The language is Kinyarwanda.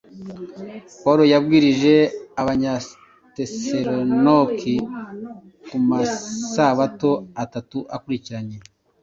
Pawulo yabwirije Abanyatesalonike ku masabato atatu akurikiranye,